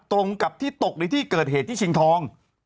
ตรงกับที่ตกในที่เกิดเหตุที่ชิงทอง